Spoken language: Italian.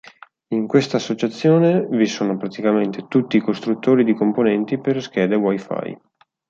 In questa associazione vi sono praticamente tutti i costruttori di componenti per schede Wi-Fi.